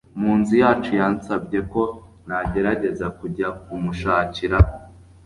mu nzu yacu yansabye ko nagerageza kujya kumushakira